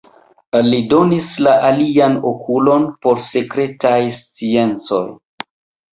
Li donis la alian okulon por sekretaj sciencoj.